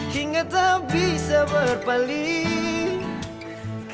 hingga tak bisa berpaling